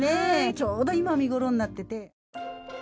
ちょうど今、見頃になってて。